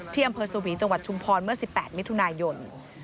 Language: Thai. อำเภอสวีจังหวัดชุมพรเมื่อ๑๘มิถุนายน